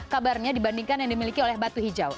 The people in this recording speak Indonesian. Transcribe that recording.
kabarnya dibandingkan yang dimiliki oleh batu hijau